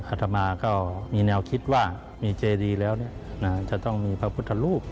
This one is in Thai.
อัตมาก็มีแนวคิดว่ามีเจดีแล้วจะต้องมีพระพุทธรูป